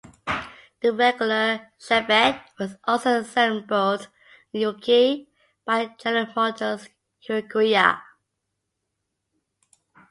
The regular Chevette was also assembled in Uruguay, by General Motors Uruguaya.